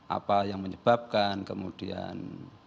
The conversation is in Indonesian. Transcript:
apa yang menyebabkan kemudian